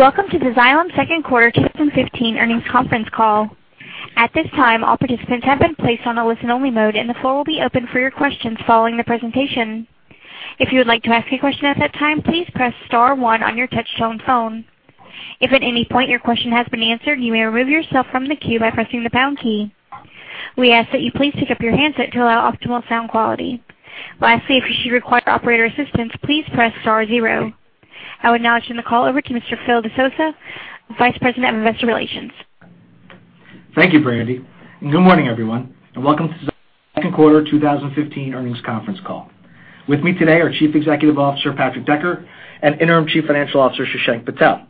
Welcome to the Xylem second quarter 2015 earnings conference call. At this time, all participants have been placed on a listen-only mode, and the floor will open for your questions following the presentation. If you would like to ask a question at that time, please press star one on your touchtone phone. If at any point your question has been answered, you may remove yourself from the queue by pressing the pound key. We ask that you please pick up your handset to allow optimal sound quality. Lastly, if you should require operator assistance, please press star zero. I would now turn the call over to Mr. Phil DeSousa, Vice President of Investor Relations. Thank you, Brandy, and good morning, everyone, and welcome to the second quarter 2015 earnings conference call. With me today are Chief Executive Officer, Patrick Decker, and Interim Chief Financial Officer, Shashank Patel.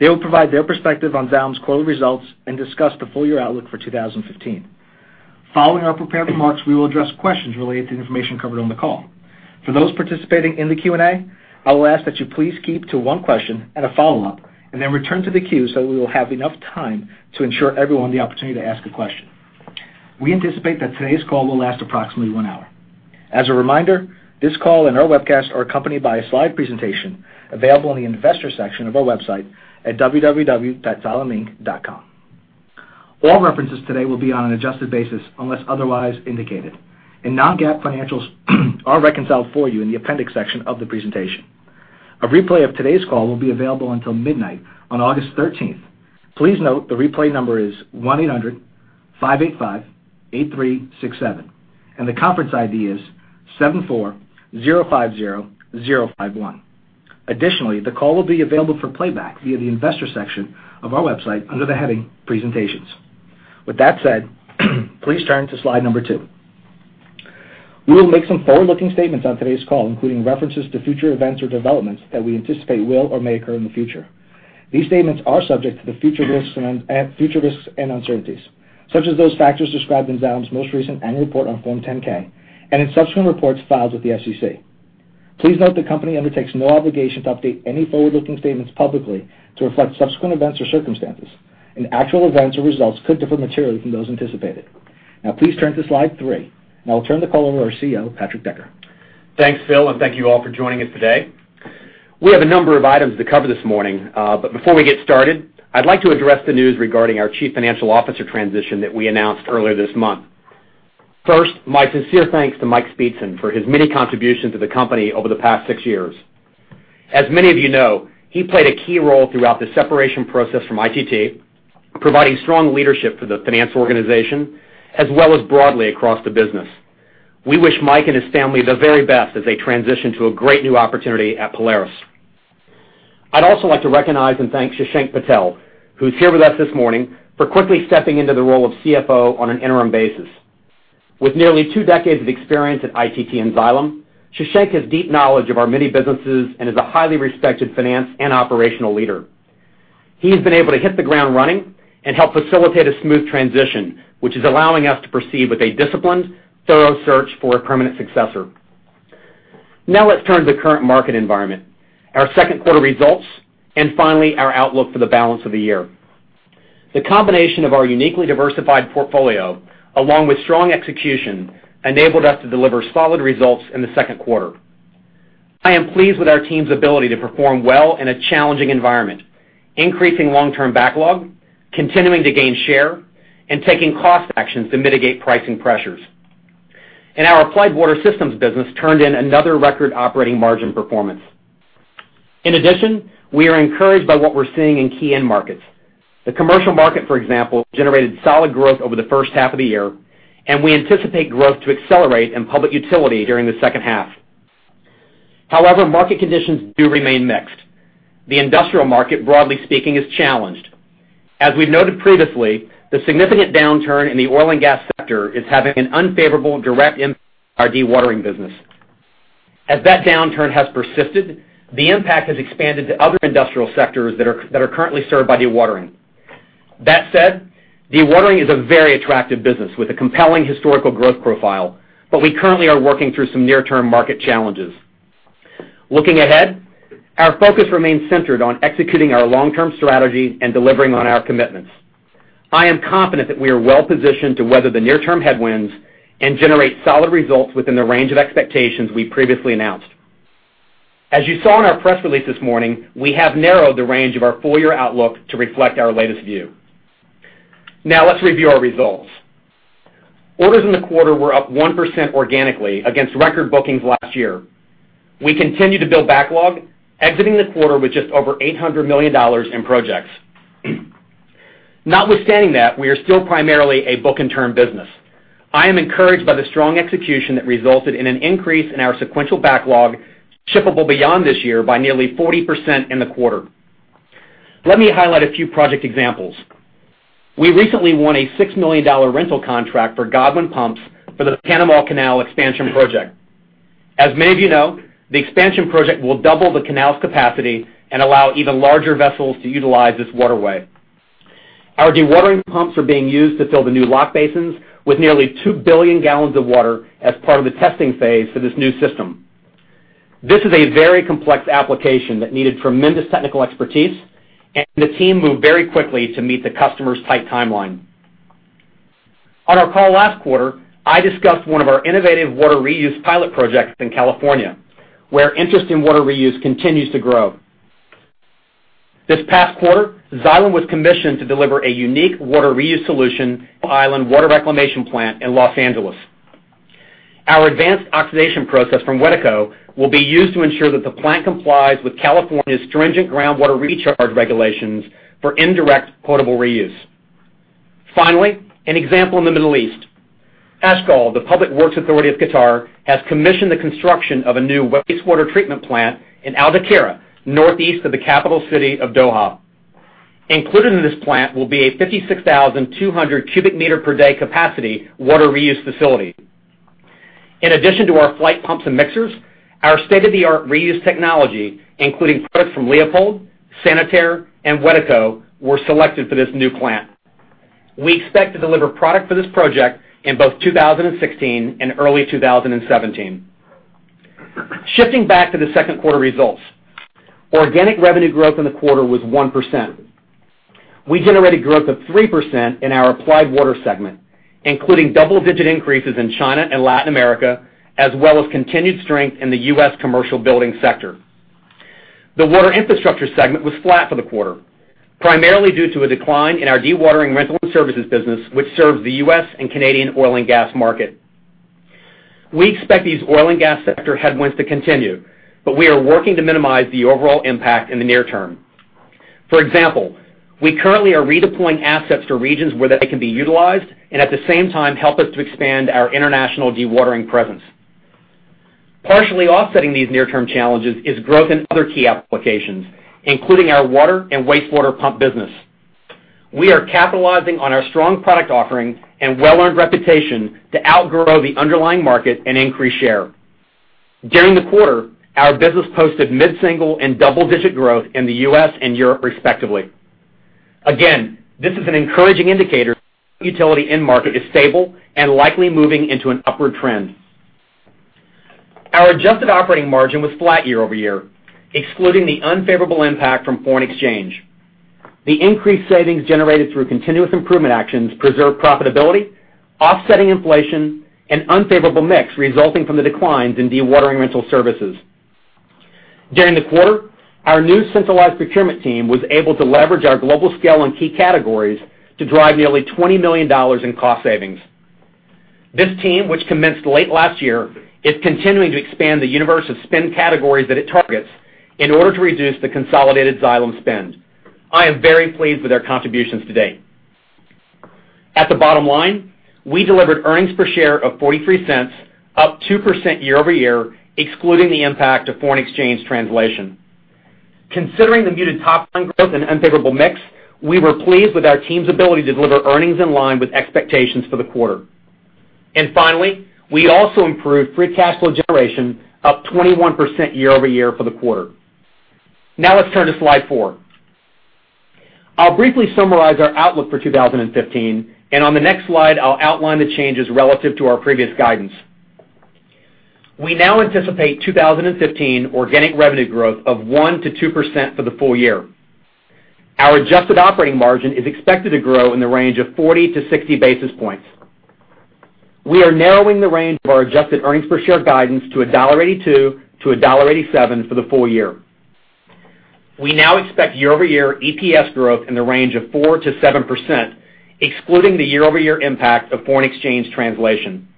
They will provide their perspective on Xylem's quarterly results and discuss the full-year outlook for 2015. Following our prepared remarks, we will address questions related to the information covered on the call. For those participating in the Q&A, I will ask that you please keep to one question and a follow-up, and then return to the queue so we will have enough time to ensure everyone the opportunity to ask a question. We anticipate that today's call will last approximately one hour. As a reminder, this call and our webcast are accompanied by a slide presentation available in the Investor section of our website at www.xyleminc.com. All references today will be on an adjusted basis unless otherwise indicated, and non-GAAP financials are reconciled for you in the appendix section of the presentation. A replay of today's call will be available until midnight on August 13th. Please note the replay number is 1-800-585-8367, and the conference ID is 74050051. Additionally, the call will be available for playback via the Investor section of our website under the heading Presentations. With that said, please turn to slide number two. We will make some forward-looking statements on today's call, including references to future events or developments that we anticipate will or may occur in the future. These statements are subject to the future risks and uncertainties, such as those factors described in Xylem's most recent annual report on Form 10-K and in subsequent reports filed with the SEC. Please note the company undertakes no obligation to update any forward-looking statements publicly to reflect subsequent events or circumstances, and actual events or results could differ materially from those anticipated. Now please turn to slide three, and I'll turn the call over to our CEO, Patrick Decker. Thanks, Phil, and thank you all for joining us today. We have a number of items to cover this morning, but before we get started, I'd like to address the news regarding our Chief Financial Officer transition that we announced earlier this month. First, my sincere thanks to Mike Speetzen for his many contributions to the company over the past six years. As many of you know, he played a key role throughout the separation process from ITT, providing strong leadership for the finance organization, as well as broadly across the business. We wish Mike and his family the very best as they transition to a great new opportunity at Polaris. I'd also like to recognize and thank Shashank Patel, who's here with us this morning for quickly stepping into the role of CFO on an interim basis. With nearly two decades of experience at ITT and Xylem, Shashank has deep knowledge of our many businesses and is a highly respected finance and operational leader. He has been able to hit the ground running and help facilitate a smooth transition, which is allowing us to proceed with a disciplined, thorough search for a permanent successor. Now let's turn to the current market environment, our second quarter results, and finally, our outlook for the balance of the year. The combination of our uniquely diversified portfolio, along with strong execution, enabled us to deliver solid results in the second quarter. I am pleased with our team's ability to perform well in a challenging environment, increasing long-term backlog, continuing to gain share, and taking cost actions to mitigate pricing pressures. Our Applied Water Systems business turned in another record operating margin performance. In addition, we are encouraged by what we're seeing in key end markets. The commercial market, for example, generated solid growth over the first half of the year, and we anticipate growth to accelerate in public utility during the second half. However, market conditions do remain mixed. The industrial market, broadly speaking, is challenged. As we've noted previously, the significant downturn in the oil and gas sector is having an unfavorable direct impact on our dewatering business. As that downturn has persisted, the impact has expanded to other industrial sectors that are currently served by dewatering. That said, dewatering is a very attractive business with a compelling historical growth profile, but we currently are working through some near-term market challenges. Looking ahead, our focus remains centered on executing our long-term strategy and delivering on our commitments. I am confident that we are well positioned to weather the near-term headwinds and generate solid results within the range of expectations we previously announced. As you saw in our press release this morning, we have narrowed the range of our full-year outlook to reflect our latest view. Now let's review our results. Orders in the quarter were up 1% organically against record bookings last year. We continue to build backlog, exiting the quarter with just over $800 million in projects. Notwithstanding that, we are still primarily a book-and-turn business. I am encouraged by the strong execution that resulted in an increase in our sequential backlog shippable beyond this year by nearly 40% in the quarter. Let me highlight a few project examples. We recently won a $6 million rental contract for Godwin pumps for the Panama Canal expansion project. As many of you know, the expansion project will double the canal's capacity and allow even larger vessels to utilize this waterway. Our dewatering pumps are being used to fill the new lock basins with nearly 2 billion gallons of water as part of the testing phase for this new system. This is a very complex application that needed tremendous technical expertise, and the team moved very quickly to meet the customer's tight timeline. On our call last quarter, I discussed one of our innovative water reuse pilot projects in California, where interest in water reuse continues to grow. This past quarter, Xylem was commissioned to deliver a unique water reuse solution to the Terminal Island Water Reclamation Plant in Los Angeles. Our advanced oxidation process from Wedeco will be used to ensure that the plant complies with California's stringent groundwater recharge regulations for indirect potable reuse. Finally, an example in the Middle East. Ashghal, the Public Works Authority of Qatar, has commissioned the construction of a new wastewater treatment plant in Al Dhakhira, northeast of the capital city of Doha. Included in this plant will be a 56,200 cubic meter per day capacity water reuse facility. In addition to our Flygt pumps and mixers, our state-of-the-art reuse technology, including products from Leopold, Sanitaire, and Wedeco, were selected for this new plant. We expect to deliver product for this project in both 2016 and early 2017. Shifting back to the second quarter results. Organic revenue growth in the quarter was 1%. We generated growth of 3% in our Applied Water Systems segment, including double-digit increases in China and Latin America, as well as continued strength in the U.S. commercial building sector. The Water Infrastructure segment was flat for the quarter, primarily due to a decline in our dewatering rental and services business, which serves the U.S. and Canadian oil and gas market. We expect these oil and gas sector headwinds to continue, but we are working to minimize the overall impact in the near term. For example, we currently are redeploying assets to regions where they can be utilized and at the same time help us to expand our international dewatering presence. Partially offsetting these near-term challenges is growth in other key applications, including our water and wastewater pump business. We are capitalizing on our strong product offering and well-earned reputation to outgrow the underlying market and increase share. During the quarter, our business posted mid-single and double-digit growth in the U.S. and Europe respectively. Again, this is an encouraging indicator the utility end market is stable and likely moving into an upward trend. Our adjusted operating margin was flat year-over-year, excluding the unfavorable impact from foreign exchange. The increased savings generated through continuous improvement actions preserved profitability, offsetting inflation and unfavorable mix resulting from the declines in dewatering rental services. During the quarter, our new centralized procurement team was able to leverage our global scale and key categories to drive nearly $20 million in cost savings. This team, which commenced late last year, is continuing to expand the universe of spend categories that it targets in order to reduce the consolidated Xylem spend. I am very pleased with their contributions to date. At the bottom line, we delivered earnings per share of $0.43, up 2% year-over-year, excluding the impact of foreign exchange translation. Considering the muted top-line growth and unfavorable mix, we were pleased with our team's ability to deliver earnings in line with expectations for the quarter. Finally, we also improved free cash flow generation, up 21% year-over-year for the quarter. Now let's turn to slide four. I'll briefly summarize our outlook for 2015, and on the next slide, I'll outline the changes relative to our previous guidance. We now anticipate 2015 organic revenue growth of 1%-2% for the full year. Our adjusted operating margin is expected to grow in the range of 40 to 60 basis points. We are narrowing the range of our adjusted earnings per share guidance to $1.82-$1.87 for the full year. We now expect year-over-year EPS growth in the range of 4%-7%, excluding the year-over-year impact of foreign exchange translation.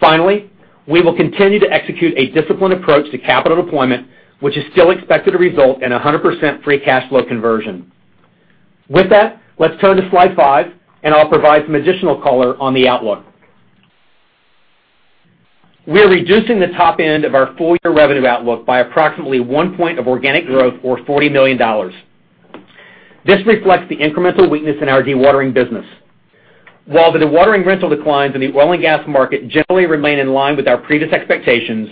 Finally, we will continue to execute a disciplined approach to capital deployment, which is still expected to result in 100% free cash flow conversion. With that, let's turn to slide five and I'll provide some additional color on the outlook. We're reducing the top end of our full-year revenue outlook by approximately one point of organic growth or $40 million. This reflects the incremental weakness in our dewatering business. While the dewatering rental declines in the oil and gas market generally remain in line with our previous expectations,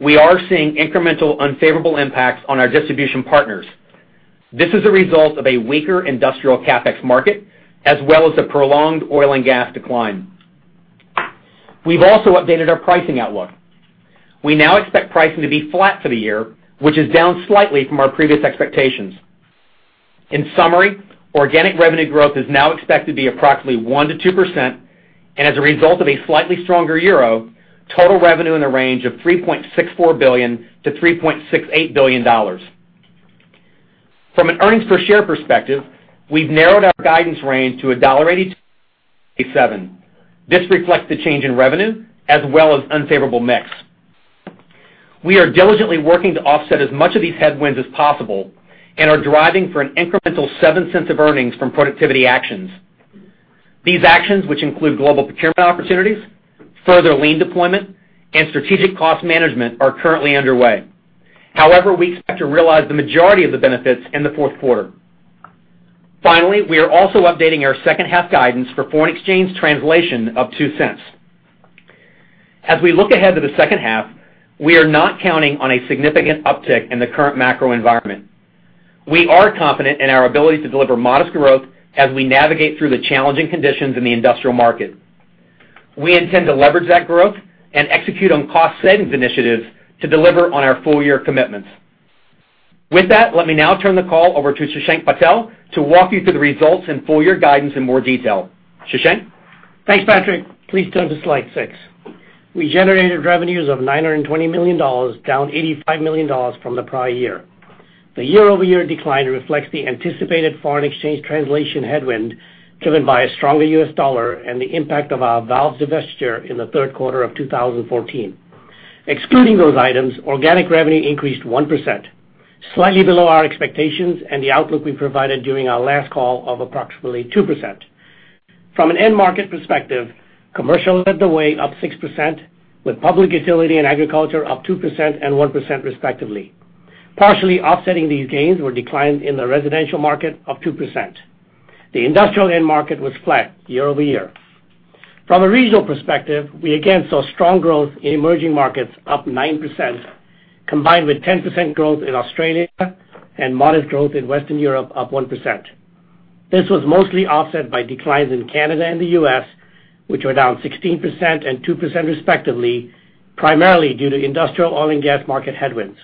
we are seeing incremental unfavorable impacts on our distribution partners. This is a result of a weaker industrial CapEx market, as well as a prolonged oil and gas decline. We've also updated our pricing outlook. We now expect pricing to be flat for the year, which is down slightly from our previous expectations. In summary, organic revenue growth is now expected to be approximately 1%-2%, and as a result of a slightly stronger EUR, total revenue in the range of $3.64 billion-$3.68 billion. From an earnings per share perspective, we've narrowed our guidance range to $1.82-$1.87. This reflects the change in revenue as well as unfavorable mix. We are diligently working to offset as much of these headwinds as possible and are driving for an incremental $0.07 of earnings from productivity actions. These actions, which include global procurement opportunities, further lean deployment, and strategic cost management, are currently underway. However, we expect to realize the majority of the benefits in the fourth quarter. Finally, we are also updating our second half guidance for foreign exchange translation of $0.02. As we look ahead to the second half, we are not counting on a significant uptick in the current macro environment. We are confident in our ability to deliver modest growth as we navigate through the challenging conditions in the industrial market. We intend to leverage that growth and execute on cost savings initiatives to deliver on our full-year commitments. With that, let me now turn the call over to Shashank Patel to walk you through the results and full year guidance in more detail. Shashank? Thanks, Patrick. Please turn to slide six. We generated revenues of $920 million, down $85 million from the prior year. The year-over-year decline reflects the anticipated foreign exchange translation headwind driven by a stronger U.S. dollar and the impact of our valves divestiture in the third quarter of 2014. Excluding those items, organic revenue increased 1%, slightly below our expectations and the outlook we provided during our last call of approximately 2%. From an end market perspective, commercial led the way up 6%, with public utility and agriculture up 2% and 1% respectively. Partially offsetting these gains were declines in the residential market of 2%. The industrial end market was flat year-over-year. From a regional perspective, we again saw strong growth in emerging markets up 9%, combined with 10% growth in Australia and modest growth in Western Europe up 1%. This was mostly offset by declines in Canada and the U.S., which were down 16% and 2% respectively, primarily due to industrial oil and gas market headwinds.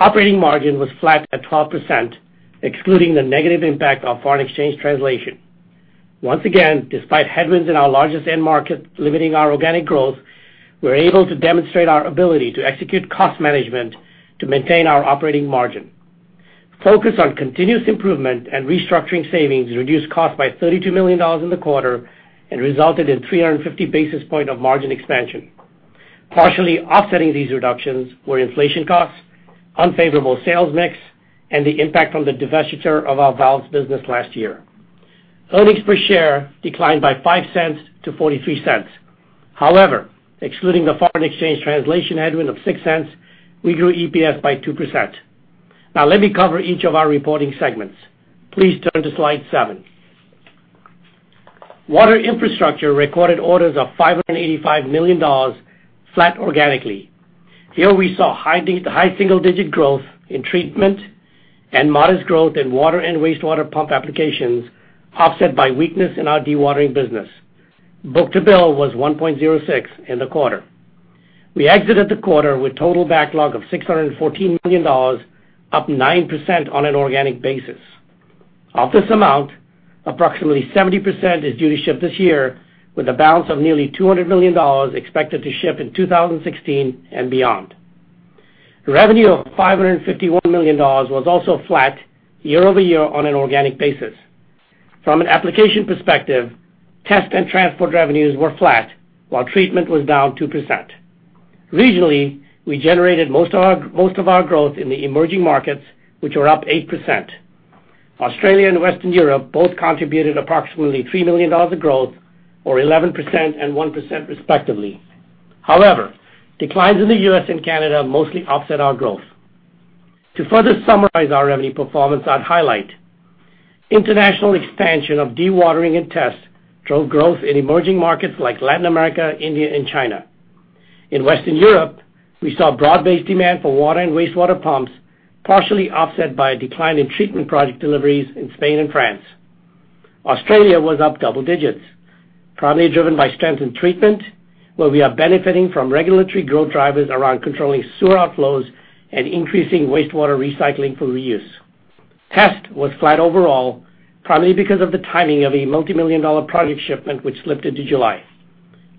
Operating margin was flat at 12%, excluding the negative impact of foreign exchange translation. Once again, despite headwinds in our largest end market limiting our organic growth, we are able to demonstrate our ability to execute cost management to maintain our operating margin. Focus on continuous improvement and restructuring savings reduced costs by $32 million in the quarter and resulted in 350 basis points of margin expansion. Partially offsetting these reductions were inflation costs, unfavorable sales mix, and the impact from the divestiture of our valves business last year. Earnings per share declined by $0.05 to $0.43. However, excluding the foreign exchange translation headwind of $0.06, we grew EPS by 2%. Let me cover each of our reporting segments. Please turn to slide seven. Water Infrastructure recorded orders of $585 million, flat organically. Here we saw high single-digit growth in treatment and modest growth in water and wastewater pump applications, offset by weakness in our dewatering business. Book-to-bill was 1.06 in the quarter. We exited the quarter with total backlog of $614 million, up 9% on an organic basis. Of this amount, approximately 70% is due to ship this year, with a balance of nearly $200 million expected to ship in 2016 and beyond. Revenue of $551 million was also flat year-over-year on an organic basis. From an application perspective, test and transport revenues were flat, while treatment was down 2%. Regionally, we generated most of our growth in the emerging markets, which were up 8%. Australia and Western Europe both contributed approximately $3 million of growth or 11% and 1% respectively. Declines in the U.S. and Canada mostly offset our growth. To further summarize our revenue performance, I would highlight international expansion of dewatering and test drove growth in emerging markets like Latin America, India, and China. In Western Europe, we saw broad-based demand for water and wastewater pumps, partially offset by a decline in treatment project deliveries in Spain and France. Australia was up double digits, primarily driven by strength in treatment, where we are benefiting from regulatory growth drivers around controlling sewer outflows and increasing wastewater recycling for reuse. Test was flat overall, primarily because of the timing of a multimillion-dollar project shipment which slipped into July.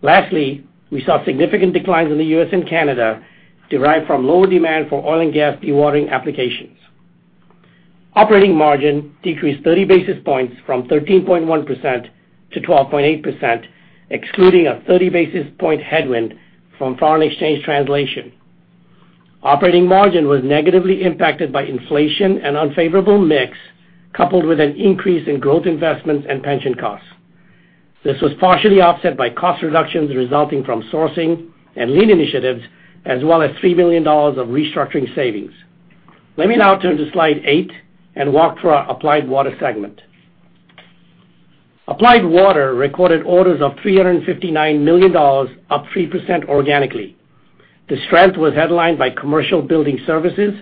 Lastly, we saw significant declines in the U.S. and Canada derived from lower demand for oil and gas dewatering applications. Operating margin decreased 30 basis points from 13.1% to 12.8%, excluding a 30 basis points headwind from foreign exchange translation. Operating margin was negatively impacted by inflation and unfavorable mix, coupled with an increase in growth investments and pension costs. This was partially offset by cost reductions resulting from sourcing and lean initiatives, as well as $3 million of restructuring savings. Let me now turn to slide eight and walk through our Applied Water segment. Applied Water recorded orders of $359 million, up 3% organically. This strength was headlined by commercial building services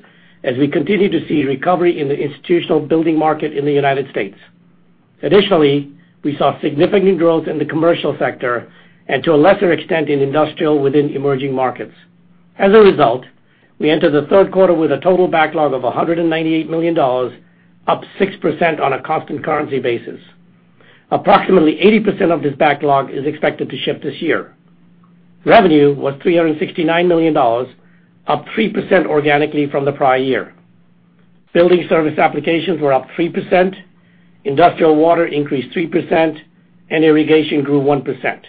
as we continue to see recovery in the institutional building market in the United States. Additionally, we saw significant growth in the commercial sector and to a lesser extent in industrial within emerging markets. As a result, we enter the third quarter with a total backlog of $198 million, up 6% on a constant currency basis. Approximately 80% of this backlog is expected to ship this year. Revenue was $369 million, up 3% organically from the prior year. Building service applications were up 3%, industrial water increased 3%, and irrigation grew 1%.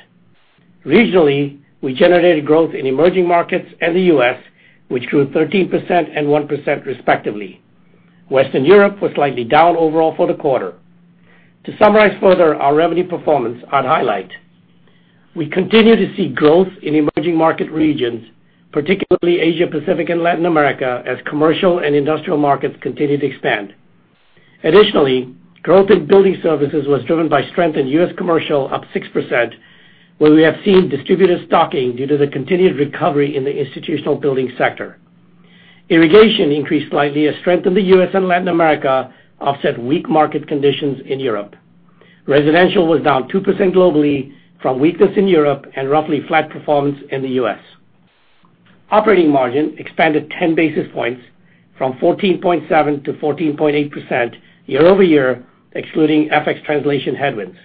Regionally, we generated growth in emerging markets and the U.S., which grew 13% and 1% respectively. Western Europe was slightly down overall for the quarter. To summarize further our revenue performance, I'd highlight we continue to see growth in emerging market regions, particularly Asia-Pacific and Latin America, as commercial and industrial markets continue to expand. Additionally, growth in building services was driven by strength in U.S. commercial, up 6%, where we have seen distributor stocking due to the continued recovery in the institutional building sector. Irrigation increased slightly as strength in the U.S. and Latin America offset weak market conditions in Europe. Residential was down 2% globally from weakness in Europe and roughly flat performance in the U.S. Operating margin expanded 10 basis points from 14.7% to 14.8% year-over-year, excluding FX translation headwinds.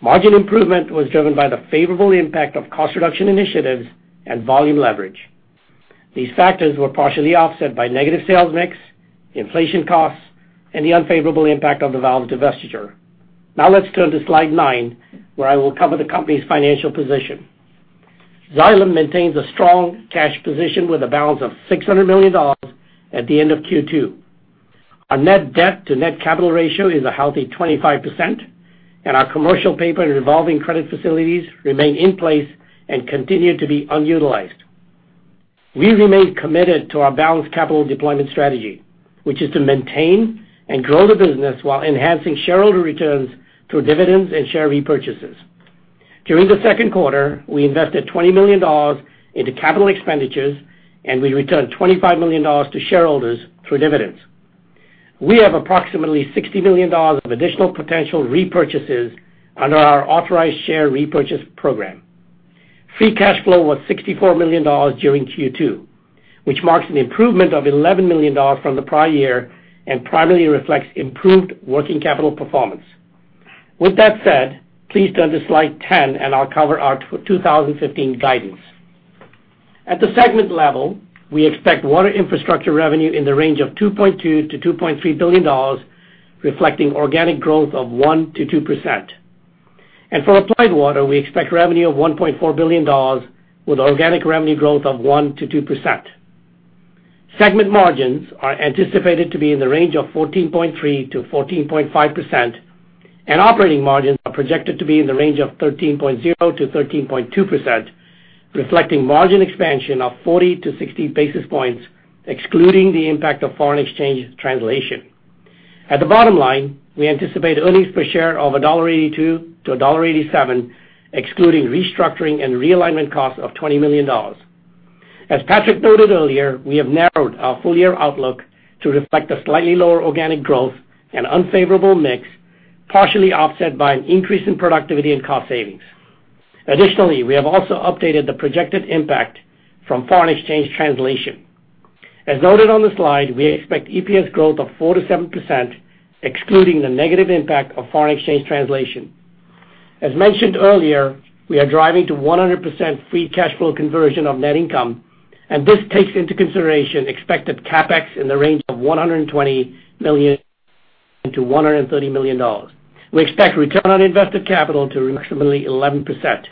Margin improvement was driven by the favorable impact of cost reduction initiatives and volume leverage. These factors were partially offset by negative sales mix, inflation costs, and the unfavorable impact of the valve divestiture. Let's turn to slide nine, where I will cover the company's financial position. Xylem maintains a strong cash position with a balance of $600 million at the end of Q2. Our net debt to net capital ratio is a healthy 25%, and our commercial paper and revolving credit facilities remain in place and continue to be unutilized. We remain committed to our balanced capital deployment strategy, which is to maintain and grow the business while enhancing shareholder returns through dividends and share repurchases. During the second quarter, we invested $20 million into capital expenditures. We returned $25 million to shareholders through dividends. We have approximately $60 million of additional potential repurchases under our authorized share repurchase program. Free cash flow was $64 million during Q2, which marks an improvement of $11 million from the prior year and primarily reflects improved working capital performance. With that said, please turn to slide 10. I'll cover our 2015 guidance. At the segment level, we expect Water Infrastructure revenue in the range of $2.2 billion-$2.3 billion, reflecting organic growth of 1%-2%. For Applied Water, we expect revenue of $1.4 billion with organic revenue growth of 1%-2%. Segment margins are anticipated to be in the range of 14.3%-14.5%, and operating margins are projected to be in the range of 13.0%-13.2%, reflecting margin expansion of 40 to 60 basis points, excluding the impact of foreign exchange translation. At the bottom line, we anticipate earnings per share of $1.82-$1.87, excluding restructuring and realignment costs of $20 million. As Patrick noted earlier, we have narrowed our full-year outlook to reflect a slightly lower organic growth and unfavorable mix, partially offset by an increase in productivity and cost savings. Additionally, we have also updated the projected impact from foreign exchange translation. As noted on the slide, we expect EPS growth of 4%-7%, excluding the negative impact of foreign exchange translation. As mentioned earlier, we are driving to 100% free cash flow conversion of net income. This takes into consideration expected CapEx in the range of $120 million-$130 million. We expect return on invested capital to approximately 11%.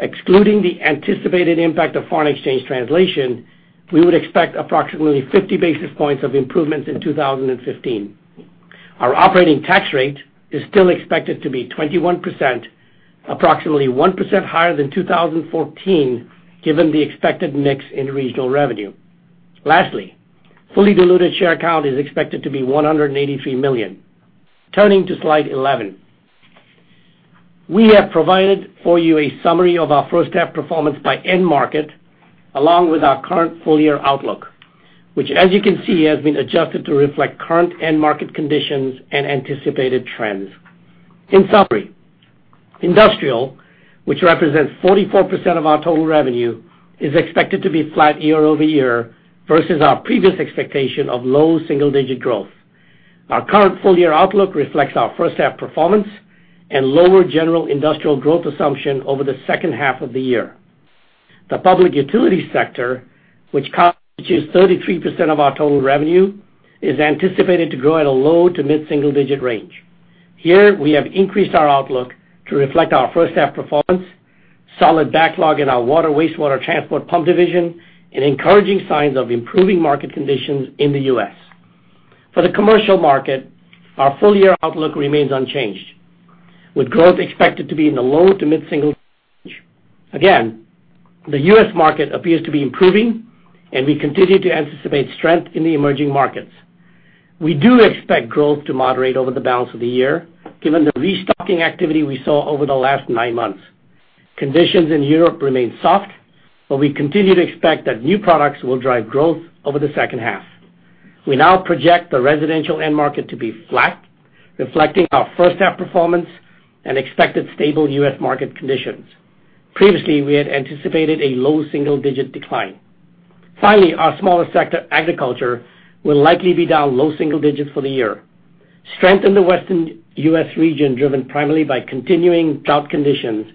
Excluding the anticipated impact of foreign exchange translation, we would expect approximately 50 basis points of improvements in 2015. Our operating tax rate is still expected to be 21%, approximately 1% higher than 2014, given the expected mix in regional revenue. Lastly, fully diluted share count is expected to be 183 million. Turning to slide 11, we have provided for you a summary of our first half performance by end market, along with our current full-year outlook, which, as you can see, has been adjusted to reflect current end market conditions and anticipated trends. In summary, industrial, which represents 44% of our total revenue, is expected to be flat year-over-year versus our previous expectation of low double-digit growth. Our current full-year outlook reflects our first half performance and lower general industrial growth assumption over the second half of the year. The public utility sector, which constitutes 33% of our total revenue, is anticipated to grow at a low to mid-single-digit range. Here, we have increased our outlook to reflect our first half performance, solid backlog in our water wastewater transport pump division, and encouraging signs of improving market conditions in the U.S. For the commercial market, our full-year outlook remains unchanged, with growth expected to be in the low to mid-single range. Again, the U.S. market appears to be improving, and we continue to anticipate strength in the emerging markets. We do expect growth to moderate over the balance of the year, given the restocking activity we saw over the last nine months. We continue to expect that new products will drive growth over the second half. We now project the residential end market to be flat, reflecting our first half performance and expected stable U.S. market conditions. Previously, we had anticipated a low single-digit decline. Finally, our smallest sector, agriculture, will likely be down low single digits for the year. Strength in the Western U.S. region, driven primarily by continuing drought conditions,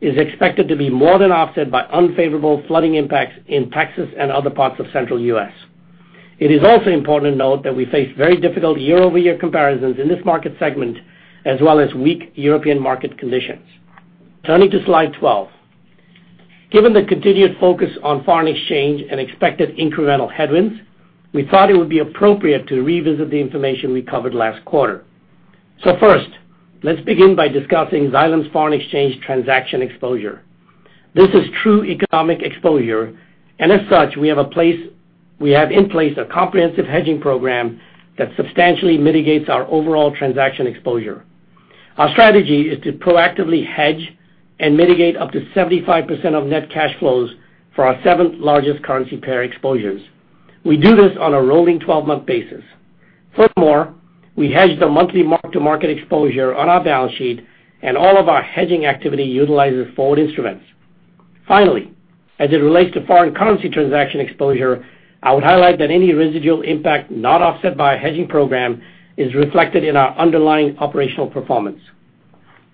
is expected to be more than offset by unfavorable flooding impacts in Texas and other parts of central U.S. It is also important to note that we face very difficult year-over-year comparisons in this market segment, as well as weak European market conditions. Turning to slide 12. Given the continued focus on foreign exchange and expected incremental headwinds, we thought it would be appropriate to revisit the information we covered last quarter. First, let's begin by discussing Xylem's foreign exchange transaction exposure. This is true economic exposure, and as such, we have in place a comprehensive hedging program that substantially mitigates our overall transaction exposure. Our strategy is to proactively hedge and mitigate up to 75% of net cash flows for our seven largest currency pair exposures. We do this on a rolling 12-month basis. Furthermore, we hedge the monthly mark-to-market exposure on our balance sheet, and all of our hedging activity utilizes forward instruments. Finally, as it relates to foreign currency transaction exposure, I would highlight that any residual impact not offset by a hedging program is reflected in our underlying operational performance.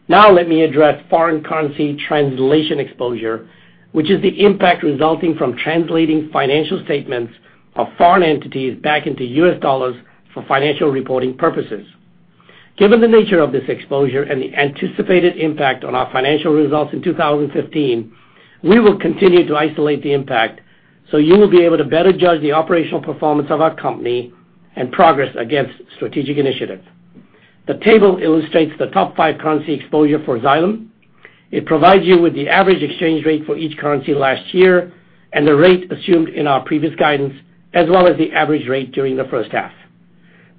Now let me address foreign currency translation exposure, which is the impact resulting from translating financial statements of foreign entities back into U.S. dollars for financial reporting purposes. Given the nature of this exposure and the anticipated impact on our financial results in 2015, we will continue to isolate the impact so you will be able to better judge the operational performance of our company and progress against strategic initiatives. The table illustrates the top five currency exposure for Xylem. It provides you with the average exchange rate for each currency last year and the rate assumed in our previous guidance, as well as the average rate during the first half.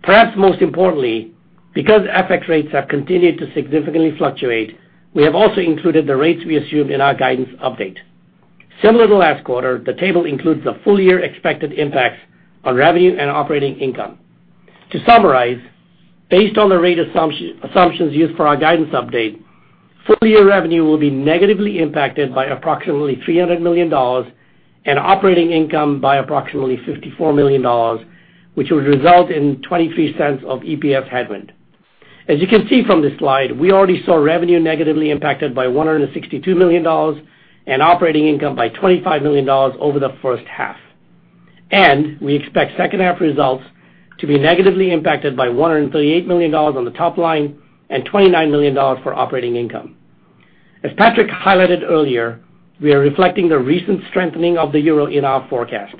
Perhaps most importantly, because FX rates have continued to significantly fluctuate, we have also included the rates we assumed in our guidance update. Similar to last quarter, the table includes the full-year expected impacts on revenue and operating income. To summarize, based on the rate assumptions used for our guidance update, full-year revenue will be negatively impacted by approximately $300 million and operating income by approximately $54 million, which would result in $0.23 of EPS headwind. As you can see from this slide, we already saw revenue negatively impacted by $162 million and operating income by $25 million over the first half. We expect second-half results to be negatively impacted by $138 million on the top line and $29 million for operating income. As Patrick highlighted earlier, we are reflecting the recent strengthening of the euro in our forecast.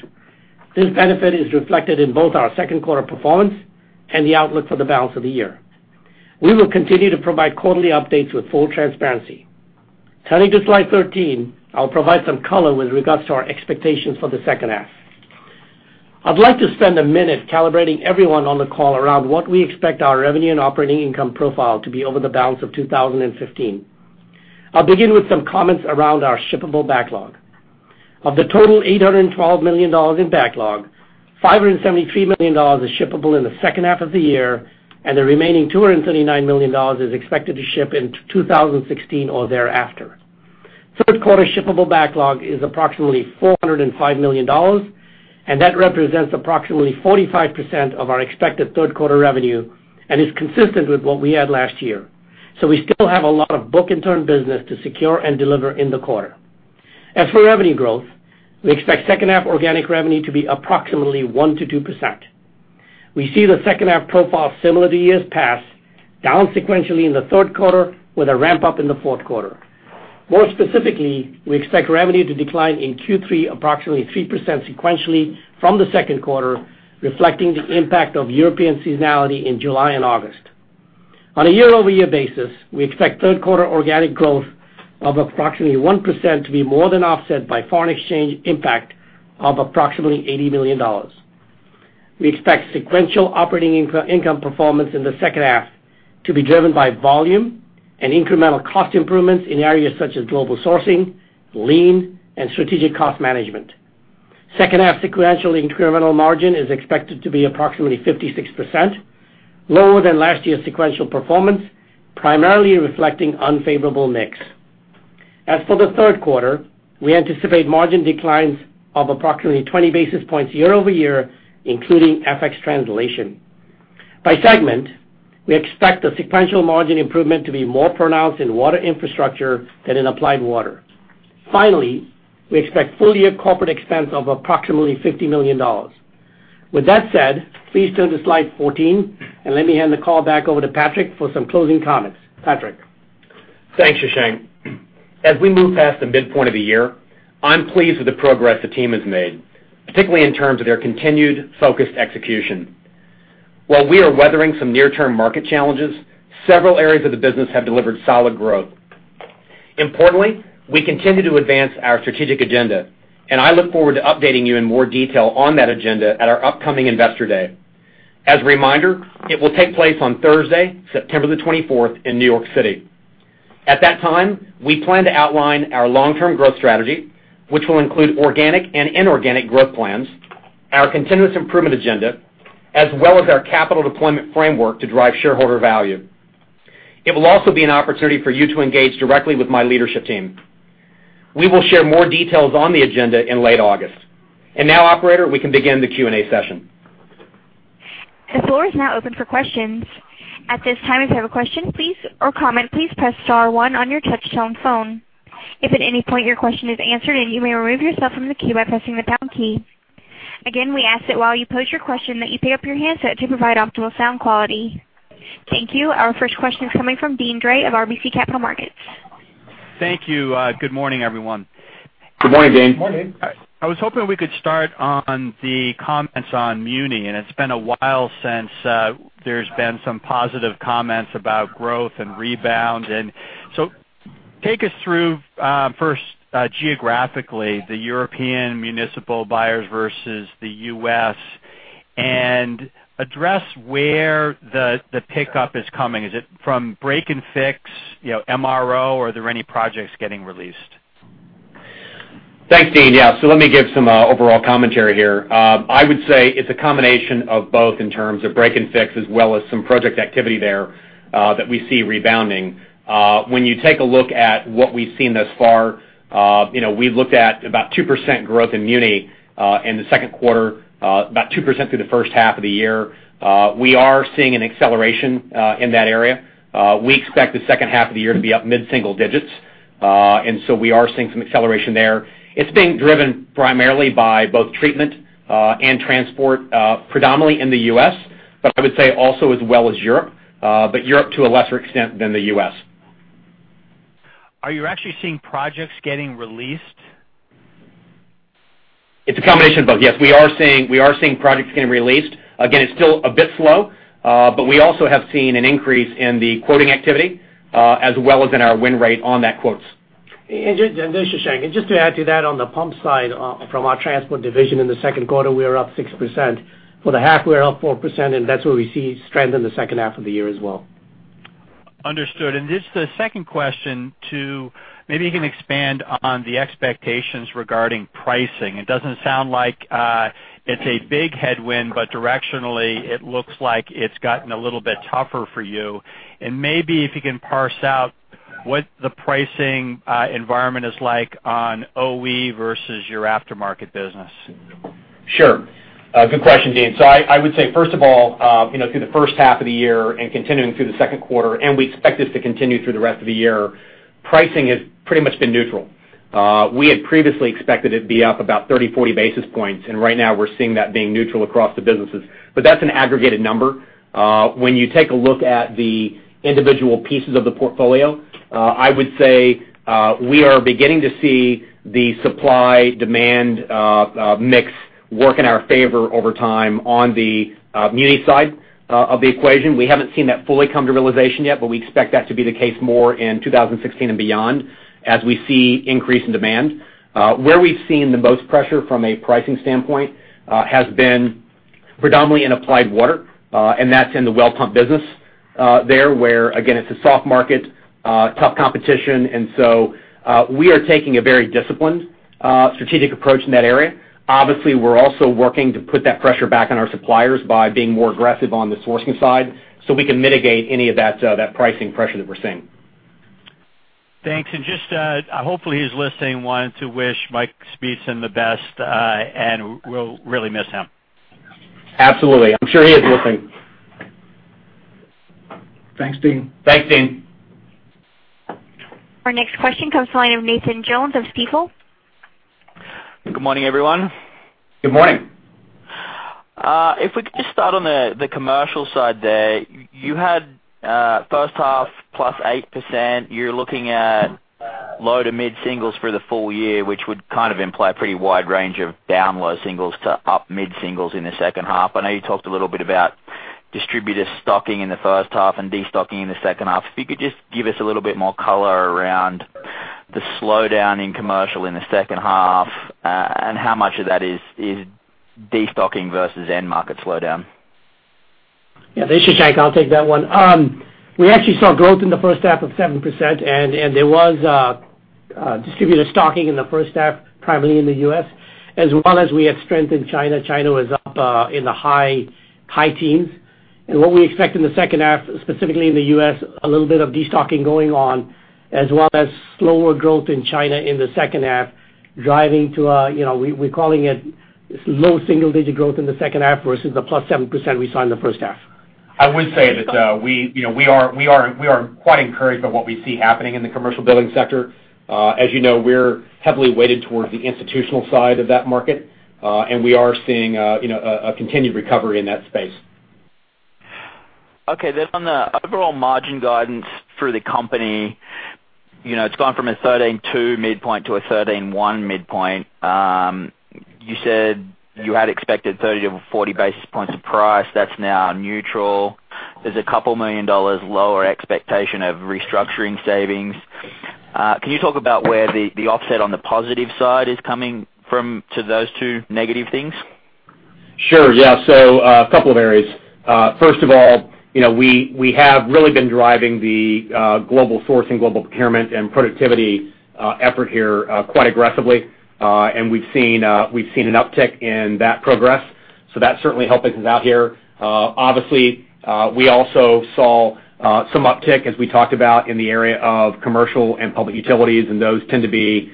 This benefit is reflected in both our second quarter performance and the outlook for the balance of the year. We will continue to provide quarterly updates with full transparency. Turning to slide 13, I'll provide some color with regards to our expectations for the second-half. I'd like to spend a minute calibrating everyone on the call around what we expect our revenue and operating income profile to be over the balance of 2015. I'll begin with some comments around our shippable backlog. Of the total $812 million in backlog, $573 million is shippable in the second-half of the year, and the remaining $239 million is expected to ship in 2016 or thereafter. Third quarter shippable backlog is approximately $405 million, and that represents approximately 45% of our expected third quarter revenue and is consistent with what we had last year. We still have a lot of book-and-turn business to secure and deliver in the quarter. As for revenue growth, we expect second-half organic revenue to be approximately 1%-2%. We see the second half profile similar to years past, down sequentially in the third quarter with a ramp-up in the fourth quarter. More specifically, we expect revenue to decline in Q3 approximately 3% sequentially from the second quarter, reflecting the impact of European seasonality in July and August. On a year-over-year basis, we expect third quarter organic growth of approximately 1% to be more than offset by foreign exchange impact of approximately $80 million. We expect sequential operating income performance in the second half to be driven by volume and incremental cost improvements in areas such as global sourcing, lean, and strategic cost management. Second half sequential incremental margin is expected to be approximately 56%, lower than last year's sequential performance, primarily reflecting unfavorable mix. As for the third quarter, we anticipate margin declines of approximately 20 basis points year-over-year, including FX translation. By segment, we expect the sequential margin improvement to be more pronounced in Water Infrastructure than in Applied Water. Finally, we expect full-year corporate expense of approximately $50 million. With that said, please turn to slide 14, and let me hand the call back over to Patrick for some closing comments. Patrick? Thanks, Shashank. As we move past the midpoint of the year, I'm pleased with the progress the team has made, particularly in terms of their continued focused execution. While we are weathering some near-term market challenges, several areas of the business have delivered solid growth. Importantly, we continue to advance our strategic agenda, and I look forward to updating you in more detail on that agenda at our upcoming Investor Day. As a reminder, it will take place on Thursday, September the 24th in New York City. At that time, we plan to outline our long-term growth strategy, which will include organic and inorganic growth plans, our continuous improvement agenda, as well as our capital deployment framework to drive shareholder value. It will also be an opportunity for you to engage directly with my leadership team. We will share more details on the agenda in late August. Now, operator, we can begin the Q&A session. The floor is now open for questions. At this time, if you have a question or comment, please press star one on your touchtone phone. If at any point your question is answered, you may remove yourself from the queue by pressing the pound key. Again, we ask that while you pose your question, that you pick up your handset to provide optimal sound quality. Thank you. Our first question is coming from Deane Dray of RBC Capital Markets. Thank you. Good morning, everyone. Good morning, Deane. Morning. I was hoping we could start on the comments on muni. It's been a while since there's been some positive comments about growth and rebound. Take us through, first, geographically, the European municipal buyers versus the U.S. Address where the pickup is coming. Is it from break and fix, MRO, or are there any projects getting released? Thanks, Deane. Yeah. Let me give some overall commentary here. I would say it's a combination of both in terms of break and fix, as well as some project activity there that we see rebounding. When you take a look at what we've seen thus far, we've looked at about 2% growth in muni in the second quarter, about 2% through the first half of the year. We are seeing an acceleration in that area. We expect the second half of the year to be up mid-single digits, we are seeing some acceleration there. It's being driven primarily by both treatment and transport, predominantly in the U.S., but I would say also as well as Europe, but Europe to a lesser extent than the U.S. Are you actually seeing projects getting released? It's a combination of both. Yes, we are seeing projects getting released. Again, it's still a bit slow. We also have seen an increase in the quoting activity, as well as in our win rate on that quotes. This is Shashank. Just to add to that, on the pump side, from our transport division in the second quarter, we are up 6%. For the half, we are up 4%, that's where we see strength in the second half of the year as well. Understood. This is the second question, too. Maybe you can expand on the expectations regarding pricing. It doesn't sound like it's a big headwind. Directionally, it looks like it's gotten a little bit tougher for you. Maybe if you can parse out what the pricing environment is like on OE versus your aftermarket business. Sure. Good question, Deane. I would say, first of all, through the first half of the year and continuing through the second quarter, we expect this to continue through the rest of the year, pricing has pretty much been neutral. We had previously expected it'd be up about 30-40 basis points. Right now we're seeing that being neutral across the businesses. That's an aggregated number. When you take a look at the individual pieces of the portfolio, I would say we are beginning to see the supply/demand mix work in our favor over time on the muni side of the equation. We haven't seen that fully come to realization yet. We expect that to be the case more in 2016 and beyond as we see increase in demand. Where we've seen the most pressure from a pricing standpoint has been predominantly in Applied Water. That's in the well pump business there, where again, it's a soft market, tough competition. We are taking a very disciplined strategic approach in that area. Obviously, we're also working to put that pressure back on our suppliers by being more aggressive on the sourcing side so we can mitigate any of that pricing pressure that we're seeing. Thanks. Just, hopefully he's listening, wanted to wish Michael Speetzen the best. We'll really miss him. Absolutely. I'm sure he is listening. Thanks, Deane. Thanks, Deane. Our next question comes to the line of Nathan Jones of Stifel. Good morning, everyone. Good morning. If we could just start on the commercial side there, you had first half +8%. You're looking at low to mid-singles for the full year, which would kind of imply a pretty wide range of down low singles to up mid-singles in the second half. I know you talked a little bit about distributor stocking in the first half and destocking in the second half. If you could just give us a little bit more color around the slowdown in commercial in the second half, and how much of that is destocking versus end market slowdown? Yeah. This is Shank. I'll take that one. We actually saw growth in the first half of 7%. There was distributor stocking in the first half, primarily in the U.S., as well as we have strength in China. China was up in the high teens. What we expect in the second half, specifically in the U.S., a little bit of destocking going on, as well as slower growth in China in the second half driving to, we're calling it low single digit growth in the second half versus the +7% we saw in the first half. I would say that we are quite encouraged by what we see happening in the commercial building sector. As you know, we're heavily weighted towards the institutional side of that market. We are seeing a continued recovery in that space. On the overall margin guidance for the company, it's gone from a 13.2% midpoint to a 13.1% midpoint. You said you had expected 30 to 40 basis points of price. That's now neutral. There's a couple million dollars lower expectation of restructuring savings. Can you talk about where the offset on the positive side is coming from to those two negative things? A couple of areas. First of all, we have really been driving the global sourcing, global procurement, and productivity effort here quite aggressively. We've seen an uptick in that progress. That certainly helped us out here. Obviously, we also saw some uptick as we talked about in the area of commercial and public utilities, and those tend to be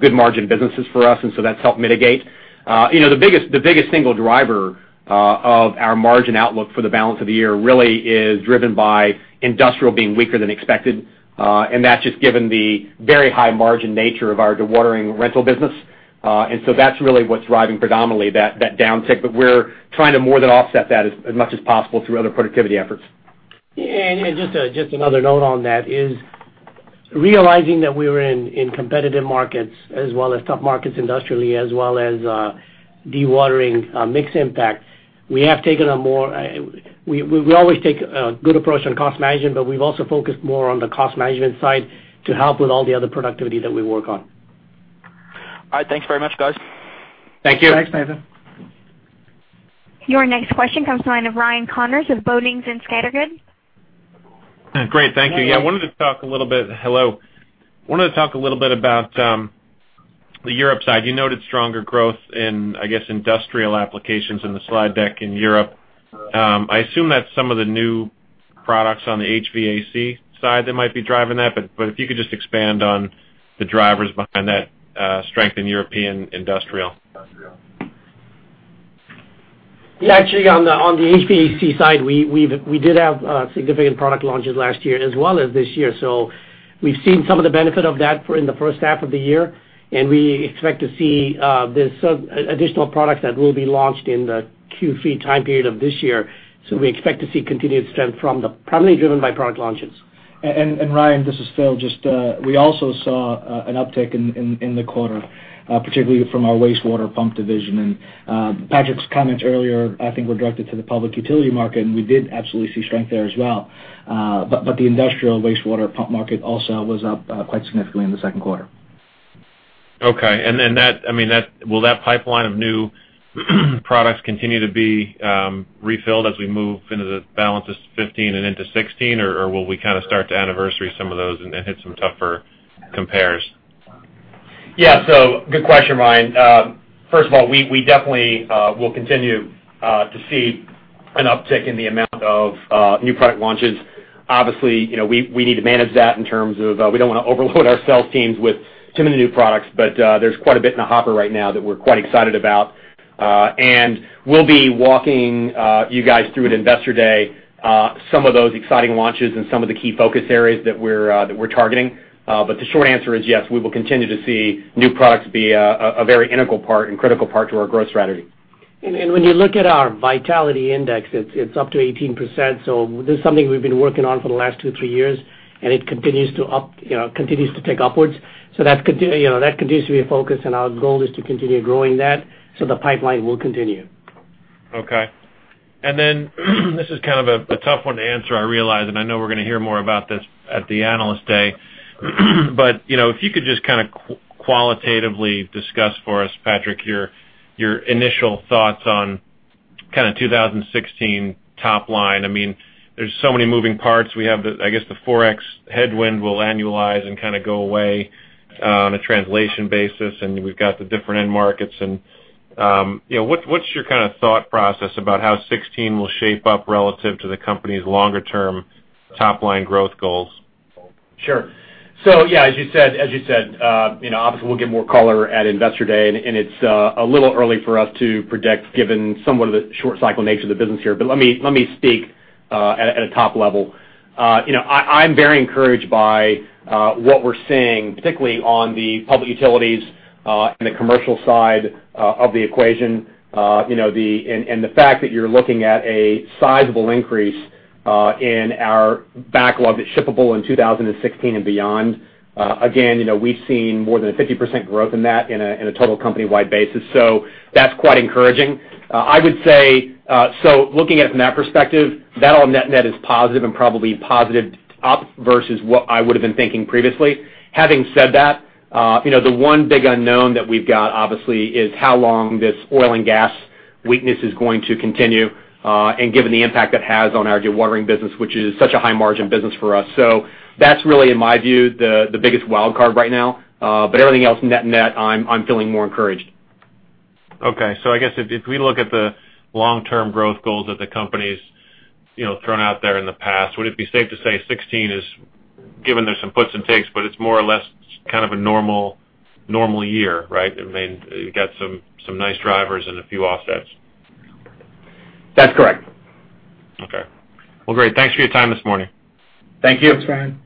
good margin businesses for us, so that's helped mitigate. The biggest single driver of our margin outlook for the balance of the year really is driven by industrial being weaker than expected. That's just given the very high margin nature of our dewatering rental business. That's really what's driving predominantly that downtick, but we're trying to more than offset that as much as possible through other productivity efforts. Just another note on that is realizing that we're in competitive markets as well as tough markets industrially, as well as dewatering mix impact. We always take a good approach on cost management, we've also focused more on the cost management side to help with all the other productivity that we work on. All right. Thanks very much, guys. Thank you. Thanks, Nathan. Your next question comes to the line of Ryan Connors of Boenning & Scattergood. Great. Thank you. Hello. I wanted to talk a little bit about the Europe side. You noted stronger growth in, I guess, industrial applications in the slide deck in Europe. I assume that some of the new products on the HVAC side that might be driving that, but if you could just expand on the drivers behind that strength in European industrial. Yeah. Actually, on the HVAC side, we did have significant product launches last year as well as this year. We've seen some of the benefit of that in the first half of the year, and we expect to see this additional product that will be launched in the Q3 time period of this year. We expect to see continued strength primarily driven by product launches. Ryan, this is Phil. We also saw an uptick in the quarter, particularly from our wastewater pump division. Patrick's comments earlier, I think, were directed to the public utility market, and we did absolutely see strength there as well. The industrial wastewater pump market also was up quite significantly in the second quarter. Okay. Will that pipeline of new products continue to be refilled as we move into the balance of 2015 and into 2016, or will we kind of start to anniversary some of those and hit some tougher compares? Good question, Ryan. First of all, we definitely will continue to see an uptick in the amount of new product launches. Obviously, we need to manage that in terms of, we don't want to overload our sales teams with too many new products, but there's quite a bit in the hopper right now that we're quite excited about. We'll be walking you guys through at Investor Day some of those exciting launches and some of the key focus areas that we're targeting. The short answer is, yes, we will continue to see new products be a very integral part and critical part to our growth strategy. When you look at our vitality index, it's up to 18%, so this is something we've been working on for the last two, three years, and it continues to tick upwards. That continues to be a focus, and our goal is to continue growing that, so the pipeline will continue. Okay. This is kind of a tough one to answer, I realize, and I know we're going to hear more about this at the Analyst Day, but if you could just kind of qualitatively discuss for us, Patrick, your initial thoughts on kind of 2016 top line. There's so many moving parts. We have, I guess, the ForEx headwind will annualize and kind of go away on a translation basis, and we've got the different end markets. What's your kind of thought process about how 2016 will shape up relative to the company's longer-term top-line growth goals? Sure. Yeah, as you said, obviously, we'll give more color at Investor Day, and it's a little early for us to project given somewhat of the short cycle nature of the business here, but let me speak at a top level. I'm very encouraged by what we're seeing, particularly on the public utilities and the commercial side of the equation. The fact that you're looking at a sizable increase in our backlog that's shippable in 2016 and beyond. Again, we've seen more than a 50% growth in that in a total company-wide basis, so that's quite encouraging. Looking at it from that perspective, that all net is positive and probably positive up versus what I would've been thinking previously. Having said that, the one big unknown that we've got, obviously, is how long this oil and gas weakness is going to continue, and given the impact it has on our dewatering business, which is such a high margin business for us. That's really, in my view, the biggest wildcard right now. Everything else, net, I'm feeling more encouraged. Okay. I guess if we look at the long-term growth goals that the company's thrown out there in the past, would it be safe to say 2016 is, given there's some puts and takes, but it's more or less kind of a normal year, right? You've got some nice drivers and a few offsets. That's correct. Okay. Well, great. Thanks for your time this morning. Thank you. Thanks, Ryan.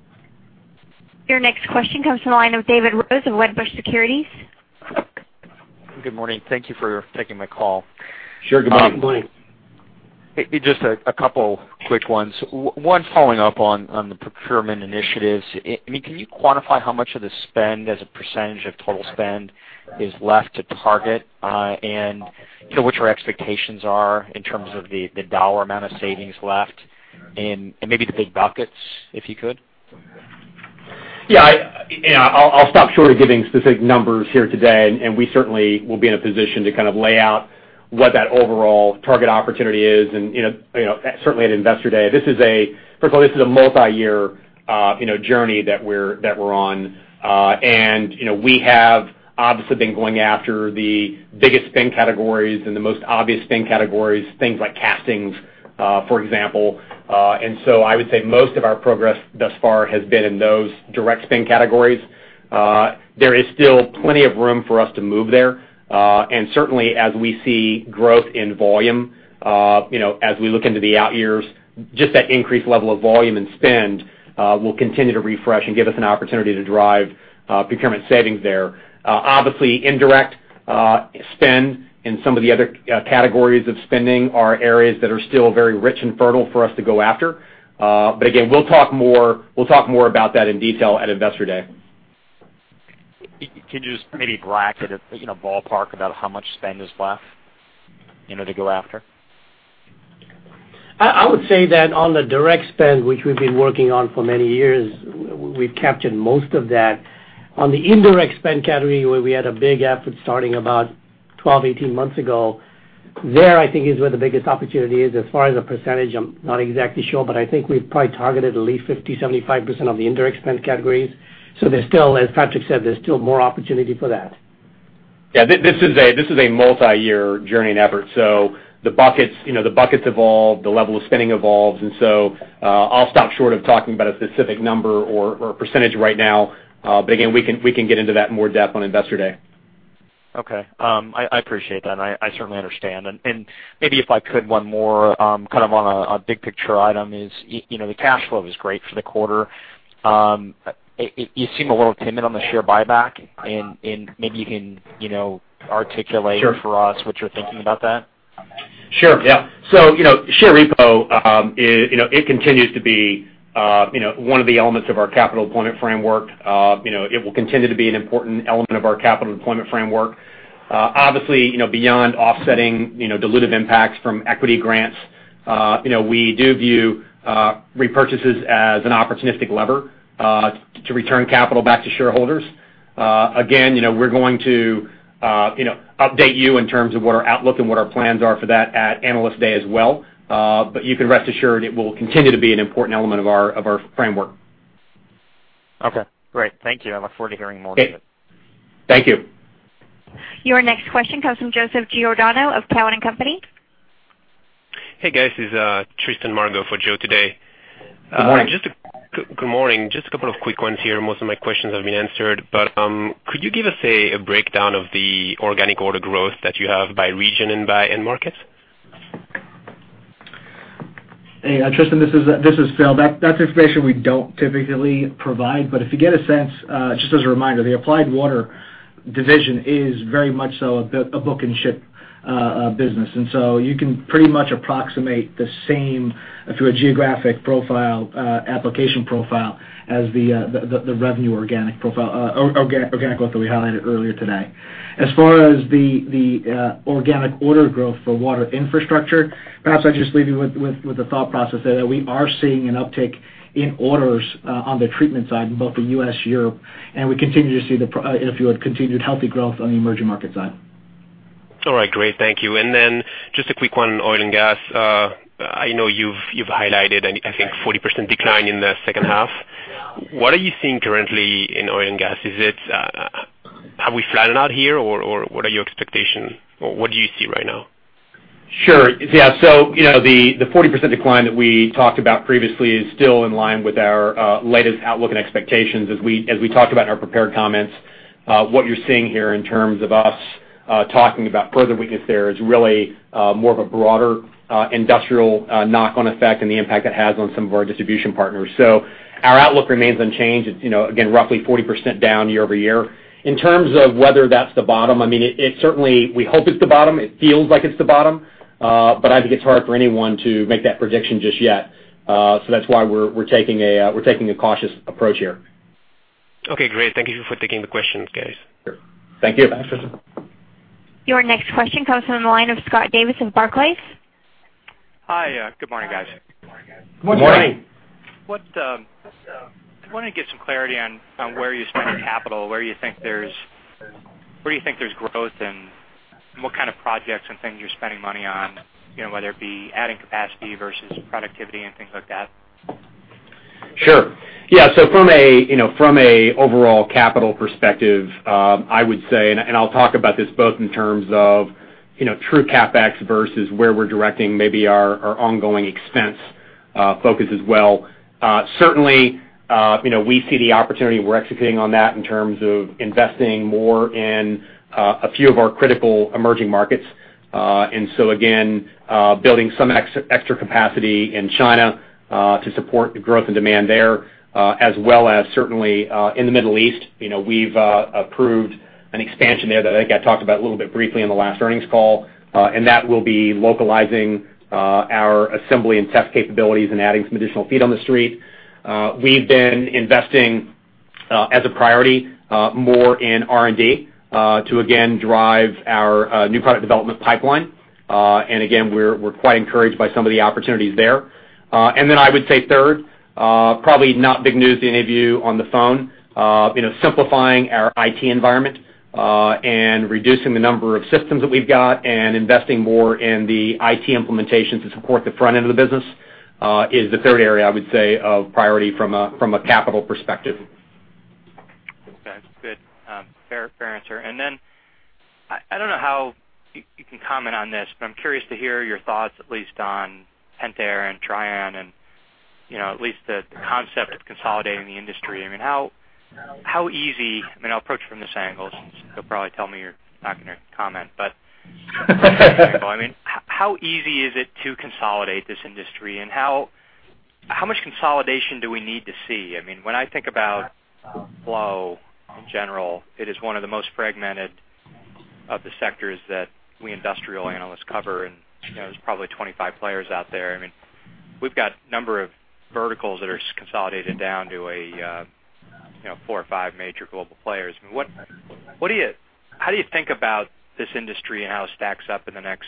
Your next question comes from the line of David Rose of Wedbush Securities. Good morning. Thank you for taking my call. Sure. Good morning. Good morning. Just a couple quick ones. One following up on the procurement initiatives. Can you quantify how much of the spend as a % of total spend is left to target, and what your expectations are in terms of the dollar amount of savings left, and maybe the big buckets, if you could? Yeah. I'll stop short of giving specific numbers here today, and we certainly will be in a position to kind of lay out what that overall target opportunity is, and certainly at Investor Day. This is a multi-year journey that we're on. We have obviously been going after the biggest spend categories and the most obvious spend categories, things like castings, for example. I would say most of our progress thus far has been in those direct spend categories. There is still plenty of room for us to move there. Certainly as we see growth in volume as we look into the out years, just that increased level of volume and spend will continue to refresh and give us an opportunity to drive procurement savings there. Obviously, indirect spend in some of the other categories of spending are areas that are still very rich and fertile for us to go after. Again, we'll talk more about that in detail at Investor Day. Can you just maybe bracket it, ballpark about how much spend is left to go after? I would say that on the direct spend, which we've been working on for many years, we've captured most of that. On the indirect spend category, where we had a big effort starting about 12, 18 months ago, there, I think, is where the biggest opportunity is. As far as a percentage, I'm not exactly sure, but I think we've probably targeted at least 50%, 75% of the indirect spend categories. As Patrick said, there's still more opportunity for that. Yeah. This is a multi-year journey and effort. The buckets evolve, the level of spending evolves. I'll stop short of talking about a specific number or a percentage right now. Again, we can get into that in more depth on Investor Day. Okay. I appreciate that, and I certainly understand. Maybe if I could, one more kind of on a big picture item is, the cash flow is great for the quarter. You seem a little timid on the share buyback, and maybe you can articulate for us what you're thinking about that. Sure. Yeah. Share repo it continues to be one of the elements of our capital deployment framework. It will continue to be an important element of our capital deployment framework. Obviously, beyond offsetting dilutive impacts from equity grants, we do view repurchases as an opportunistic lever to return capital back to shareholders. Again, we're going to update you in terms of what our outlook and what our plans are for that at Analyst Day as well. You can rest assured it will continue to be an important element of our framework. Okay, great. Thank you. I look forward to hearing more on it. Thank you. Your next question comes from Joseph Giordano of Cowen and Company. Hey, guys. This is Tristan Margot for Joe today. Good morning. Good morning. Just a couple of quick ones here. Most of my questions have been answered. Could you give us a breakdown of the organic order growth that you have by region and by end markets? Hey, Tristan, this is Phil. That's information we don't typically provide. If you get a sense, just as a reminder, the Applied Water division is very much so a book and ship business. You can pretty much approximate the same through a geographic profile, application profile as the revenue organic growth that we highlighted earlier today. As far as the organic order growth for Water Infrastructure, perhaps I'd just leave you with the thought process there that we are seeing an uptake in orders on the treatment side in both the U.S., Europe, and we continue to see the, if you would, continued healthy growth on the emerging market side. All right, great. Thank you. Then just a quick one on oil and gas. I know you've highlighted, I think 40% decline in the second half. What are you seeing currently in oil and gas? Have we flattened out here, or what are your expectations, or what do you see right now? Sure. Yeah. The 40% decline that we talked about previously is still in line with our latest outlook and expectations as we talked about in our prepared comments. What you're seeing here in terms of us talking about further weakness there is really more of a broader industrial knock-on effect and the impact it has on some of our distribution partners. Our outlook remains unchanged. It's, again, roughly 40% down year-over-year. In terms of whether that's the bottom, we hope it's the bottom. It feels like it's the bottom. I think it's hard for anyone to make that prediction just yet. That's why we're taking a cautious approach here. Okay, great. Thank you for taking the questions, guys. Sure. Thank you. Bye, Tristan. Your next question comes from the line of Scott Davis in Barclays. Hi. Good morning, guys. Good morning. Morning. I want to get some clarity on where you spend your capital, where do you think there's growth, and what kind of projects and things you're spending money on, whether it be adding capacity versus productivity and things like that? Sure. Yeah. From a overall capital perspective, I would say, and I'll talk about this both in terms of true CapEx versus where we're directing maybe our ongoing expense focus as well. Certainly, we see the opportunity, we're executing on that in terms of investing more in a few of our critical emerging markets. Again, building some extra capacity in China to support the growth and demand there, as well as certainly in the Middle East. We've approved an expansion there that I think I talked about a little bit briefly in the last earnings call. That will be localizing our assembly and test capabilities and adding some additional feet on the street. We've been investing as a priority more in R&D to again drive our new product development pipeline. Again, we're quite encouraged by some of the opportunities there. I would say third, probably not big news to any of you on the phone. Simplifying our IT environment and reducing the number of systems that we've got and investing more in the IT implementation to support the front end of the business is the third area, I would say, of priority from a capital perspective. Okay. Good. Fair answer. I don't know how you can comment on this, but I'm curious to hear your thoughts at least on Pentair and Trian and at least the concept of consolidating the industry. I mean, I'll approach from this angle, since you'll probably tell me you're not going to comment. I mean, how easy is it to consolidate this industry, and how much consolidation do we need to see? I mean, when I think about flow in general, it is one of the most fragmented of the sectors that we industrial analysts cover, and there's probably 25 players out there. I mean, we've got a number of verticals that are consolidated down to a four or five major global players. How do you think about this industry and how it stacks up in the next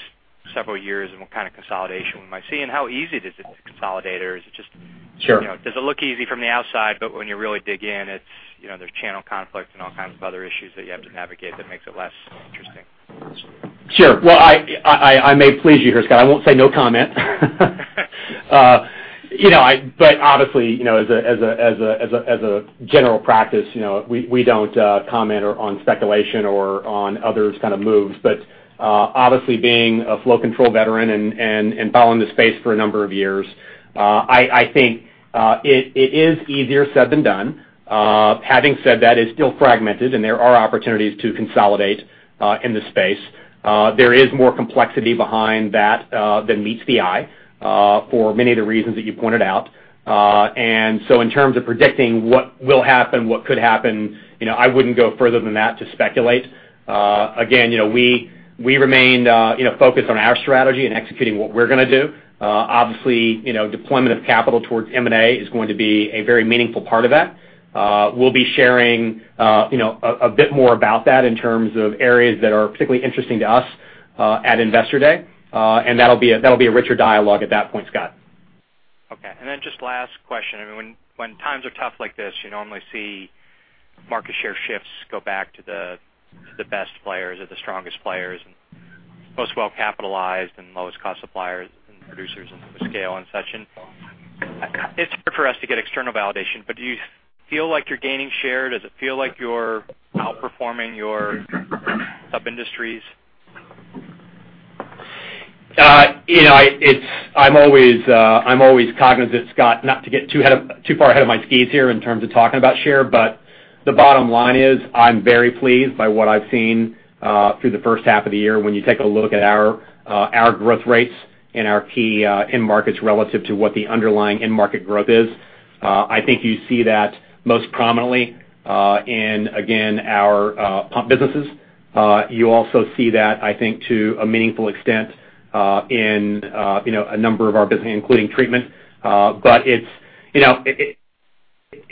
several years, and what kind of consolidation we might see, and how easy it is to consolidate, or does it look easy from the outside, but when you really dig in, there's channel conflict and all kinds of other issues that you have to navigate that makes it less interesting? Sure. Well, I may please you here, Scott. I won't say no comment. Obviously, as a general practice, we don't comment on speculation or on others' kind of moves. Obviously, being a flow control veteran and following this space for a number of years, I think it is easier said than done. Having said that, it's still fragmented, and there are opportunities to consolidate in this space. There is more complexity behind that than meets the eye for many of the reasons that you pointed out. In terms of predicting what will happen, what could happen, I wouldn't go further than that to speculate. Again, we remain focused on our strategy and executing what we're going to do. Obviously, deployment of capital towards M&A is going to be a very meaningful part of that. We'll be sharing a bit more about that in terms of areas that are particularly interesting to us at Investor Day. That'll be a richer dialogue at that point, Scott. Okay. Just last question. When times are tough like this, you normally see market share shifts go back to the best players or the strongest players and most well-capitalized and lowest cost suppliers and producers and scale and such, and it's hard for us to get external validation, but do you feel like you're gaining share? Does it feel like you're outperforming your sub-industries? I'm always cognizant, Scott, not to get too far ahead of my skis here in terms of talking about share, but the bottom line is, I'm very pleased by what I've seen through the first half of the year when you take a look at our growth rates and our key end markets relative to what the underlying end market growth is. I think you see that most prominently in, again, our pump businesses. You also see that, I think, to a meaningful extent in a number of our businesses, including treatment.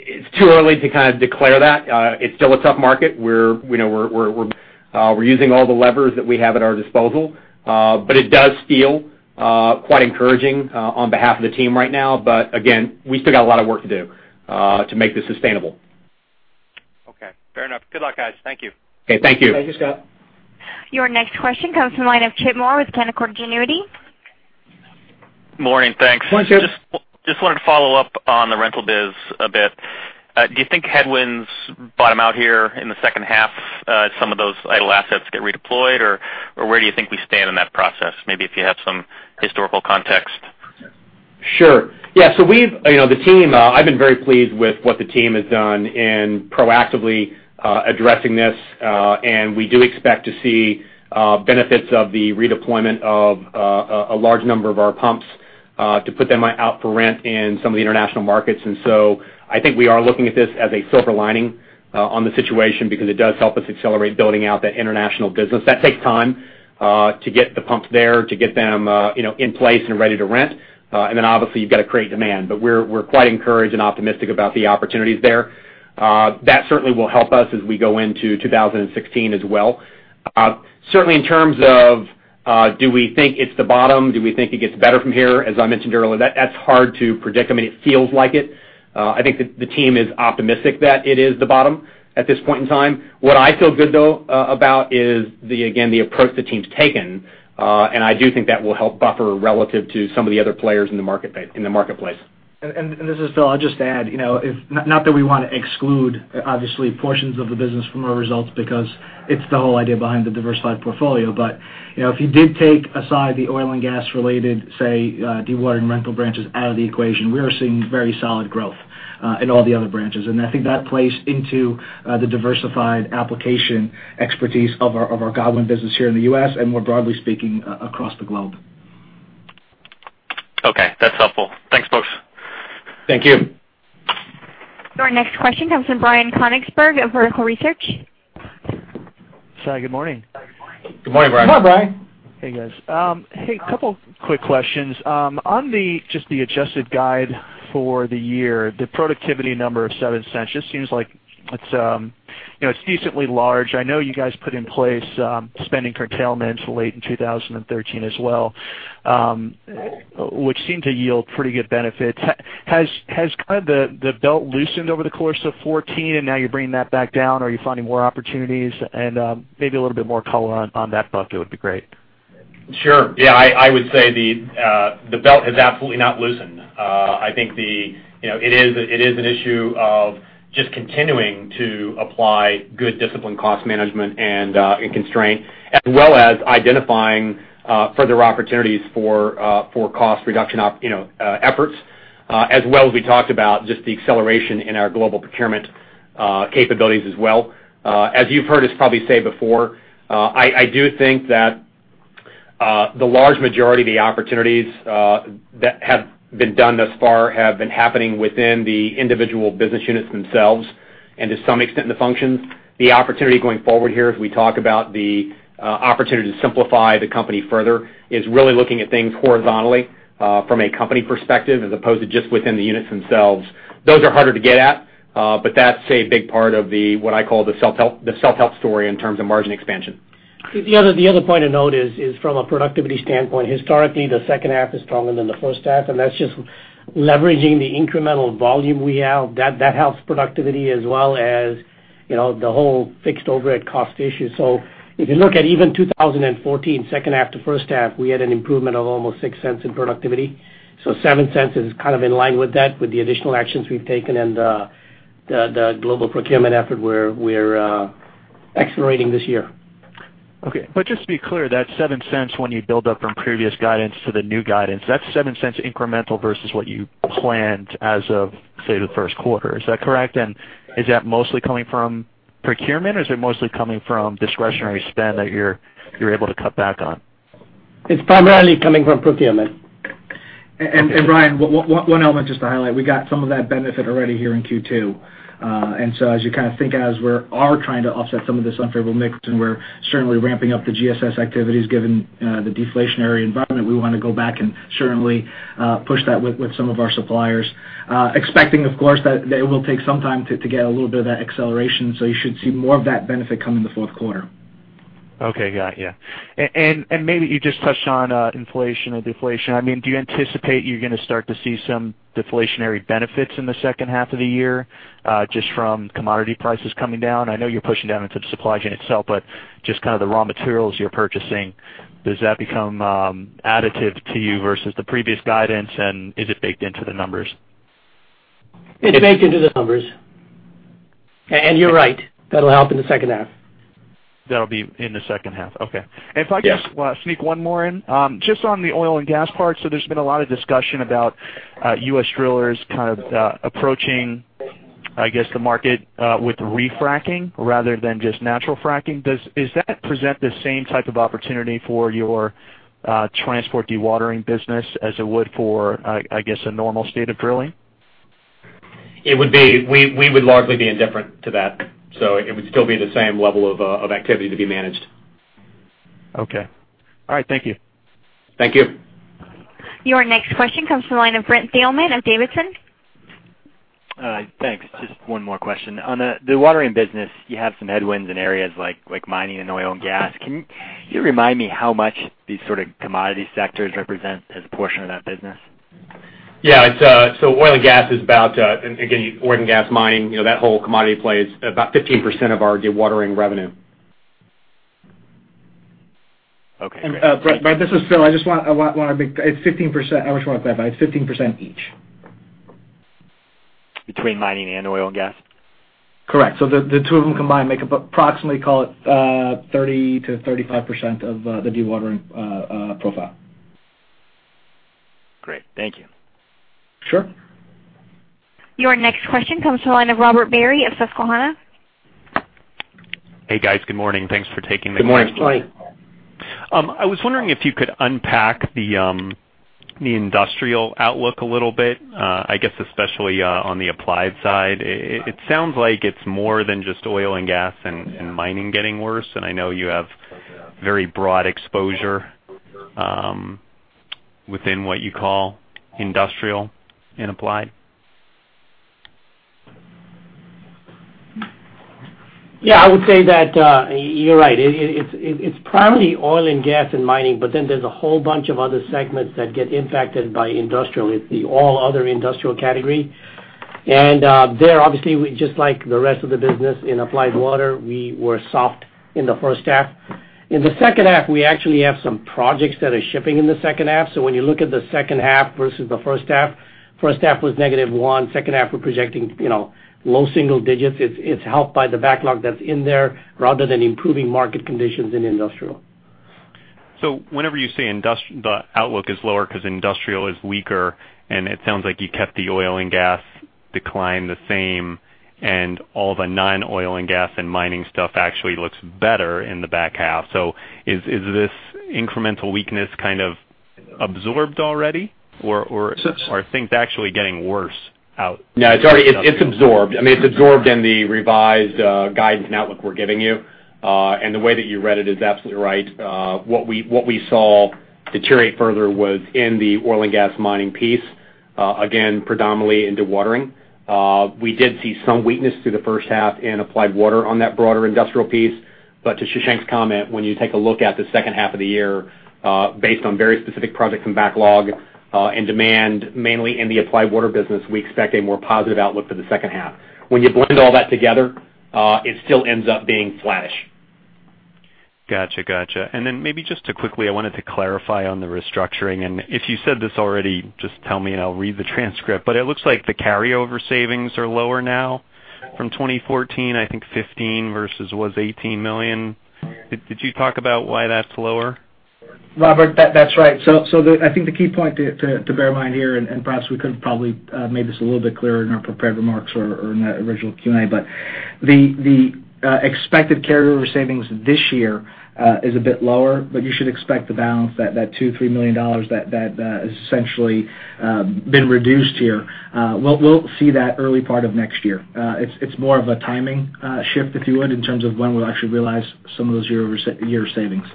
It's too early to kind of declare that. It's still a tough market. We're using all the levers that we have at our disposal. It does feel quite encouraging on behalf of the team right now. Again, we still got a lot of work to do to make this sustainable. Okay. Fair enough. Good luck, guys. Thank you. Okay. Thank you. Thank you, Scott. Your next question comes from the line of Chip Moore with Canaccord Genuity. Morning. Thanks. Morning, Chip. Just wanted to follow up on the rental biz a bit. Do you think headwinds bottom out here in the second half as some of those idle assets get redeployed, or where do you think we stand in that process? Maybe if you have some historical context. Sure. Yeah. I've been very pleased with what the team has done in proactively addressing this, and we do expect to see benefits of the redeployment of a large number of our pumps to put them out for rent in some of the international markets. I think we are looking at this as a silver lining on the situation because it does help us accelerate building out that international business. That takes time to get the pumps there, to get them in place and ready to rent. Obviously you've got to create demand. We're quite encouraged and optimistic about the opportunities there. That certainly will help us as we go into 2016 as well. Certainly, in terms of do we think it's the bottom, do we think it gets better from here, as I mentioned earlier, that's hard to predict. I mean, it feels like it. I think that the team is optimistic that it is the bottom at this point in time. What I feel good, though, about is the, again, the approach the team's taken, I do think that will help buffer relative to some of the other players in the marketplace. This is Phil. I'll just add, not that we want to exclude, obviously, portions of the business from our results because it's the whole idea behind the diversified portfolio. If you did take aside the oil and gas related, say, dewatering rental branches out of the equation, we are seeing very solid growth in all the other branches. I think that plays into the diversified application expertise of our Godwin business here in the U.S. and more broadly speaking, across the globe. Okay. That's helpful. Thanks, folks. Thank you. Your next question comes from Brian Konigsberg of Vertical Research. Hi, good morning. Good morning, Brian. Good morning, Brian. Hey, guys. Couple quick questions. On just the adjusted guide for the year, the productivity number of $0.07 just seems like it's decently large. I know you guys put in place spending curtailments late in 2013 as well, which seemed to yield pretty good benefits. Has kind of the belt loosened over the course of 2014, and now you're bringing that back down? Are you finding more opportunities? Maybe a little bit more color on that bucket would be great. Sure. Yeah, I would say the belt has absolutely not loosened. I think it is an issue of just continuing to apply good disciplined cost management and constraint, as well as identifying further opportunities for cost reduction efforts, as well as we talked about just the acceleration in our global procurement capabilities as well. As you've heard us probably say before, I do think that the large majority of the opportunities that have been done thus far have been happening within the individual business units themselves and to some extent in the functions. The opportunity going forward here, as we talk about the opportunity to simplify the company further, is really looking at things horizontally from a company perspective as opposed to just within the units themselves. Those are harder to get at. That's a big part of what I call the self-help story in terms of margin expansion. The other point to note is from a productivity standpoint, historically, the second half is stronger than the first half, and that's just leveraging the incremental volume we have. That helps productivity as well as the whole fixed overhead cost issue. If you look at even 2014, second half to first half, we had an improvement of almost $0.06 in productivity. $0.07 is kind of in line with that, with the additional actions we've taken and the global procurement effort where we're accelerating this year. Okay. Just to be clear, that $0.07 when you build up from previous guidance to the new guidance, that's $0.07 incremental versus what you planned as of, say, the first quarter. Is that correct? Is that mostly coming from procurement, or is it mostly coming from discretionary spend that you're able to cut back on? It's primarily coming from procurement. Ryan, one element just to highlight, we got some of that benefit already here in Q2. As you think as we are trying to offset some of this unfavorable mix, and we're certainly ramping up the GSS activities given the deflationary environment, we want to go back and certainly push that with some of our suppliers. Expecting, of course, that it will take some time to get a little bit of that acceleration, so you should see more of that benefit come in the fourth quarter. Okay. Got you. Maybe you just touched on inflation or deflation. Do you anticipate you're going to start to see some deflationary benefits in the second half of the year just from commodity prices coming down? I know you're pushing down into the supply chain itself, but just kind of the raw materials you're purchasing, does that become additive to you versus the previous guidance, and is it baked into the numbers? It's baked into the numbers. You're right, that'll help in the second half. That'll be in the second half. Okay. Yeah. If I could just sneak one more in. Just on the oil and gas part, so there's been a lot of discussion about U.S. drillers kind of approaching, I guess, the market with refracking rather than just natural fracking. Does that present the same type of opportunity for your transport dewatering business as it would for, I guess, a normal state of drilling? It would be. We would largely be indifferent to that. It would still be the same level of activity to be managed. Okay. All right. Thank you. Thank you. Your next question comes from the line of Brent Thielman of D.A. Davidson. Thanks. Just one more question. On the dewatering business, you have some headwinds in areas like mining and oil and gas. Can you remind me how much these sort of commodity sectors represent as a portion of that business? Yeah. Oil and gas is about, again, oil and gas mining, that whole commodity play is about 15% of our dewatering revenue. Okay. Brent, this is Phil. It's 15%. I wish 15%, it's 15% each. Between mining and oil and gas? Correct. The two of them combined make up approximately, call it 30%-35% of the dewatering profile. Great. Thank you. Sure. Your next question comes to the line of Robert Barry of Susquehanna. Hey, guys. Good morning. Thanks for taking the call. Good morning. Morning. I was wondering if you could unpack the industrial outlook a little bit, I guess especially on the applied side. It sounds like it's more than just oil and gas and mining getting worse, I know you have very broad exposure within what you call industrial and applied. Yeah, I would say that you're right. It's primarily oil and gas and mining, there's a whole bunch of other segments that get impacted by industrial. It's the all other industrial category. There, obviously, just like the rest of the business in applied water, we were soft in the first half. In the second half, we actually have some projects that are shipping in the second half. When you look at the second half versus the first half, first half was negative one, second half, we're projecting low single digits. It's helped by the backlog that's in there rather than improving market conditions in industrial. Whenever you say the outlook is lower because industrial is weaker, it sounds like you kept the oil and gas decline the same, all the non-oil and gas and mining stuff actually looks better in the back half. Is this incremental weakness kind of absorbed already or- It's. I think they're actually getting worse out. No, it's already absorbed. It's absorbed in the revised guidance and outlook we're giving you. The way that you read it is absolutely right. What we saw deteriorate further was in the oil and gas mining piece, again, predominantly in dewatering. We did see some weakness through the first half in Applied Water Systems on that broader industrial piece. To Shashank's comment, when you take a look at the second half of the year, based on very specific projects and backlog, and demand mainly in the Applied Water Systems business, we expect a more positive outlook for the second half. When you blend all that together, it still ends up being flattish. Got you. Maybe just to quickly, I wanted to clarify on the restructuring. If you said this already, just tell me and I'll read the transcript. It looks like the carryover savings are lower now from 2014, I think 2015 versus was $18 million. Did you talk about why that's lower? Robert, that's right. I think the key point to bear in mind here, and perhaps we could have probably made this a little bit clearer in our prepared remarks or in the original Q&A, but the expected carryover savings this year is a bit lower, but you should expect the balance, that $2 million-$3 million that has essentially been reduced here. We'll see that early part of next year. It's more of a timing shift, if you would, in terms of when we'll actually realize some of those year savings.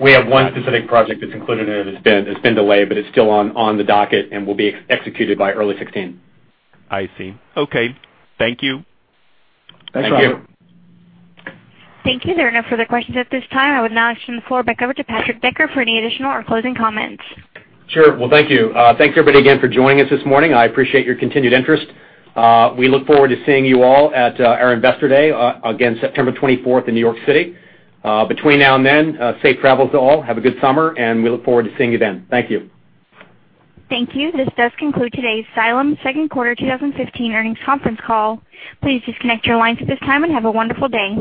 We have one specific project that's included in it. It's been delayed, but it's still on the docket and will be executed by early 2016. I see. Okay. Thank you. Thanks, Robert. Thank you. Thank you. There are no further questions at this time. I would now turn the floor back over to Patrick Decker for any additional or closing comments. Sure. Well, thank you. Thank you, everybody, again, for joining us this morning. I appreciate your continued interest. We look forward to seeing you all at our investor day, again, September 24th in New York City. Between now and then, safe travels to all. Have a good summer, and we look forward to seeing you then. Thank you. Thank you. This does conclude today's Xylem second quarter 2015 earnings conference call. Please disconnect your lines at this time, and have a wonderful day.